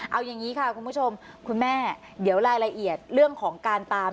เอาอย่างนี้ค่ะคุณผู้ชมคุณแม่เดี๋ยวรายละเอียดเรื่องของการตาม